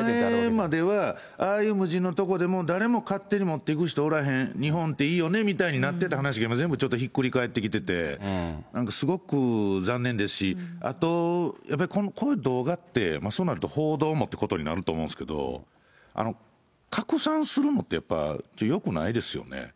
今まではああいう無人の所でも誰も勝手に持っていく人おらへん、日本っていいよねみたいになってた話が、今、全部ちょっとひっくり返ってて、なんかすごく残念ですし、あとやっぱりこの動画って、そうなると報道もってことになると思うんですけど、拡散するのって、やっぱりよくないですよね。